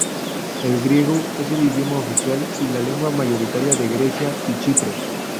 El griego es el idioma oficial y lengua mayoritaria de Grecia y Chipre.